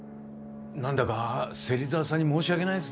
何だか芹沢さんに申し訳ないですね。